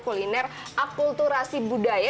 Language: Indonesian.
kuliner akulturasi budaya